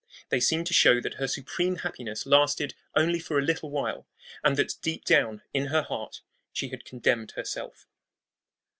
They seem to show that her supreme happiness lasted only for a little while, and that deep down in her heart she had condemned herself.